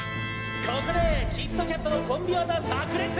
「ここでキッドキャットのコンビ技炸裂！